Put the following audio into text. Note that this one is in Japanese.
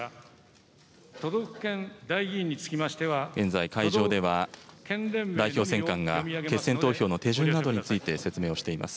現在、会場では代表選管が、決選投票の手順などについて説明をしています。